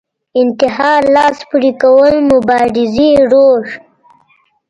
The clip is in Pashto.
انتحار لاس پورې کول مبارزې روش